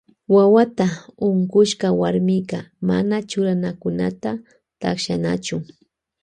Wawata unkushka warmika mana churanakunata takshanachu.